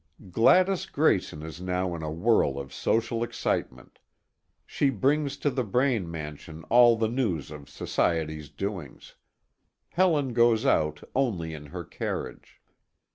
Gladys Grayson is now in a whirl of social excitement. She brings to the Braine mansion all the news of society's doings. Helen goes out only in her carriage.